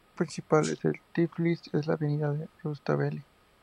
La calle principal en Tiflis es la Avenida de Rustaveli.